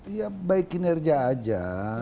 ya baik kinerja saja